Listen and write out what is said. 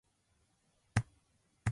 春眠暁を覚えず